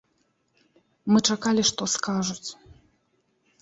Мы чакалі, што скажуць.